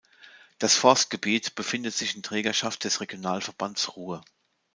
Das Forstgebiet befindet sich in Trägerschaft des Regionalverbands Ruhr.